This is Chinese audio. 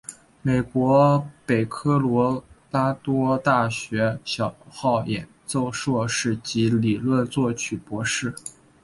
美国北科罗拉多大学小号演奏硕士及理论作曲博士。